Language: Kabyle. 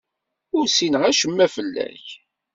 Ur ssineɣ acemma fell-ak.